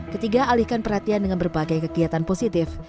ketiga alihkan perhatian dengan berbagai kegiatan positif